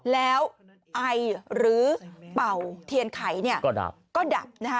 แล้วไอหรือเป่าเทียนไขก็ดับ